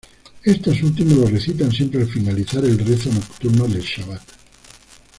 Estos últimos lo recitan siempre al finalizar el rezo nocturno del Shabat.